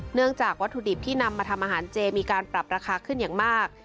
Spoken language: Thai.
วัตถุดิบที่นำมาทำอาหารเจมีการปรับราคาขึ้นอย่างมาก